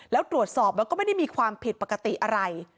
แล้วตรวจสอบมันก็ไม่ได้มีความผิดปกติอะไร